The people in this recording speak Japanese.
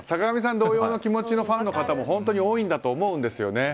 同様の気持ちのファンの方も本当に多いんだと思うんですよね。